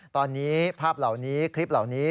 ตอนนี้ภาพเหล่านี้คลิปเหล่านี้